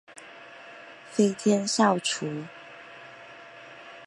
飞天扫帚。